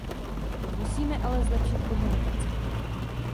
Musíme ale zlepšit komunikaci.